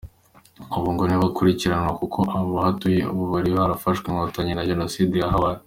Ubu ngo ntibakurikiranwa kuko aho batuye ubu hari harafashwe n’inkotanyi nta jenoside yahabaye.